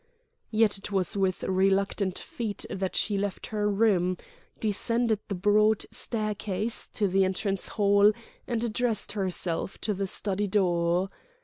Yet it was with reluctant feet that she left her room, descended the broad staircase to the entrance hall, and addressed herself to the study door.